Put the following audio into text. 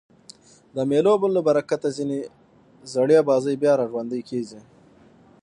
د مېلو له برکته ځیني زړې بازۍ بیا راژوندۍ کېږي.